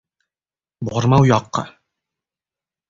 Borma u yoqqa!